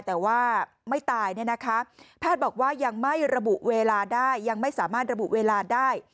แต่ว่าไม่ตายแพทย์บอกว่ายังไม่สามารถระบุเวลาได้